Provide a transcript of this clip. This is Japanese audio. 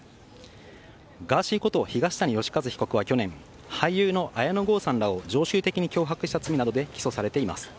ガーシーこと東谷義和被告は去年俳優の綾野剛さんらを常習的に脅迫した罪で起訴されています。